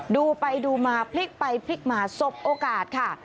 ดูไปดูมาพลิกไปพลิกมาสบโอกาสค่ะ